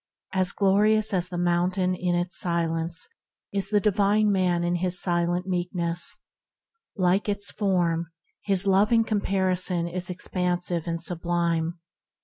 As glorious as the mountain in its silent might is the divine man in his silent Meek ness; like its form, his loving compassion is expansive and sublime.